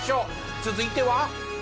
続いては。